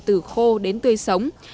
từ khô đến tươi sống